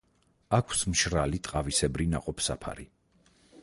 აქვს მშრალი ტყავისებრი ნაყოფსაფარი.